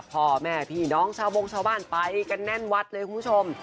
พ่อแม่พี่น้องชาวบงชาวบ้านไปกันแน่นวัดเลยคุณผู้ชม